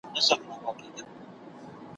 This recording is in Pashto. لکه سپر د خوشحال خان وم ,